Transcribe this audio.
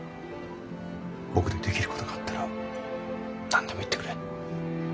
僕でできる事があったら何でも言ってくれ。